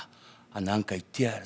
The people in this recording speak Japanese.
何か言ってやがる。